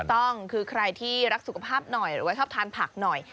ถูกต้องคือใครที่รักสุขภาพหน่อยหรือว่าชอบทานผักหน่อย